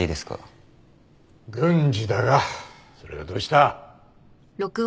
郡司だがそれがどうした？